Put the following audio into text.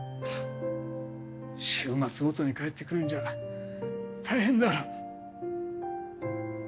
週末ごとに帰ってくるんじゃ大変だろう。